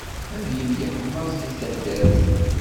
Ad yemyeḥmaẓ di taddart.